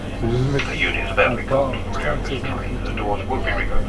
La deuxième équipe part trente secondes plus tard.